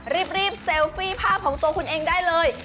รีบเซลฟี่ภาพของตัวคุณเองได้เลย